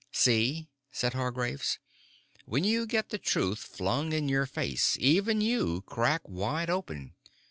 "See," said Hargraves. "When you get the truth flung in your face, even you crack wide open.